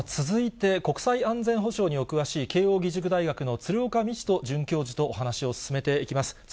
続いて、国際安全保障にお詳しい、慶応義塾大学の鶴岡路人准教授とお話を進めていきます。